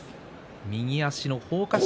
右足のほうか織